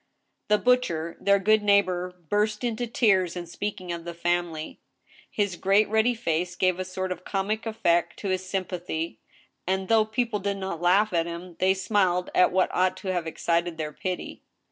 The butcher, their good neighbor, burst into tears in speaking of the family. His great, ruddy face gave a sort of comic effect to 202 THE STEEL HAMMER. his sympathy, and, though people did not laugh at him, they smiled at what ought to have excited their pity.